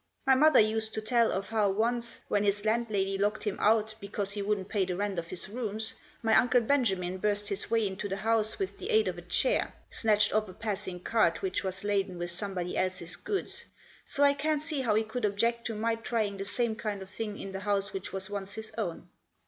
My mother used to tell of how once, when his landlady locked him out because he wouldn't pay the rent of his rooms, my Uncle Benjamin burst his way into the house with the aid of a chair, snatched off a passing cart which was laden with somebody else's goods, so I can't see how he could object to my trying the same kind of thing in the house which was once his own.